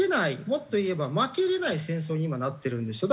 もっと言えば負けれない戦争に今なってるんですよ。